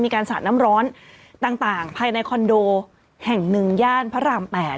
มีการสระน้ำร้อนต่างภายในคอนโดแห่งหนึ่งหรือย่านพระราบ๘